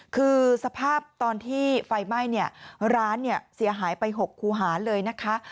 คือสภาพตอนที่ไฟไหม้เนี่ยร้านเสียหายไป๖คูหาเลยนะคะ